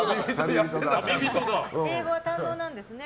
英語は堪能なんですね。